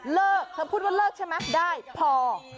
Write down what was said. เลิกเธอพูดว่าเลิกใช่ไหมได้พอ